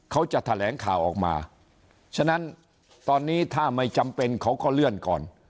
เขาจะแถลงข่าวออกมาฉะนั้นตอนนี้ถ้าไม่จำเป็นเขาก็เลื่อนก่อน